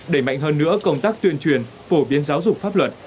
đẩy mạnh hơn nữa công tác tuyên truyền phổ biến giáo dục pháp luật